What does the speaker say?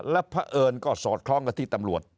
แล้วพระเอิญก็สอดคล้องกับที่ตำรวจ